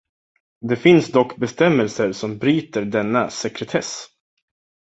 Det finns dock bestämmelser som bryter denna sekretess.